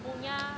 itu dunia korea